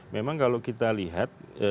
memang kalau kita lihat